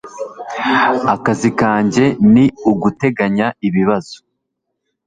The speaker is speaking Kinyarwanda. Akazi kanjye ni uguteganya ibibazo.